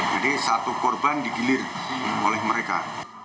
jadi satu korban digilir oleh mereka